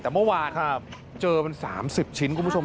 แต่เมื่อวานเจอมัน๓๐ชิ้นคุณผู้ชม